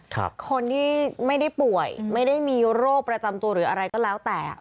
คนที่ไม่ได้ป่วยไม่ได้มีโรคประจำตัวหรืออะไรก็แล้วแต่